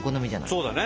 そうだね。